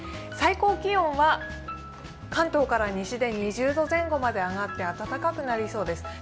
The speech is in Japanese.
最高気温は関東から西で２０度前後まで上がって暖かくなりそうです